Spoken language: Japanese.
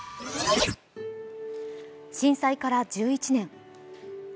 震災から１１年。